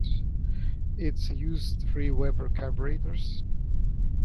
It used three Weber carburetors.